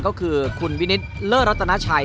ก็คือคุณวินิตเลิศรัตนาชัย